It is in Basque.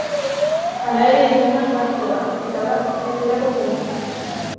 Hala ere, idazten jarriko da, eta bat aterako zaio.